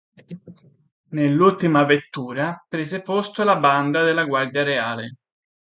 Nell'ultima vettura prese posto la banda della guardia reale.